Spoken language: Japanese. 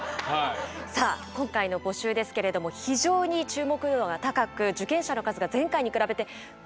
さあ今回の募集ですけれども非常に注目度が高く受験者の数が前回に比べてぐんと増えているんです。